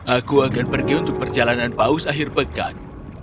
aku akan pergi untuk perjalanan paus akhir pekan